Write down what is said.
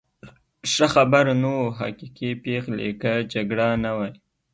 ښه خبر نه و، حقیقي پېغلې، که جګړه نه وای.